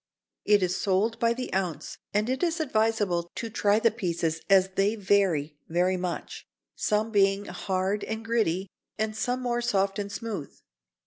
It is sold by the ounce, and it is advisable to try the pieces as they vary very much, some being hard and gritty and some more soft and smooth.